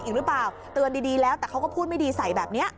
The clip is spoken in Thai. อีกหรือเปล่าเตือนดีแล้วแต่เขาก็พูดไม่ดีใส่แบบนี้